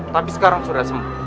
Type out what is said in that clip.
tapi sekarang sudah sembuh